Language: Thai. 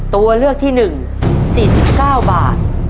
ตัวเลือกที่๑๔๙บาท